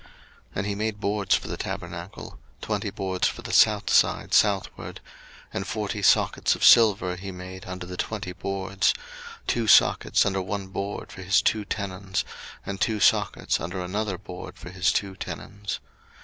02:036:023 And he made boards for the tabernacle; twenty boards for the south side southward: 02:036:024 And forty sockets of silver he made under the twenty boards; two sockets under one board for his two tenons, and two sockets under another board for his two tenons.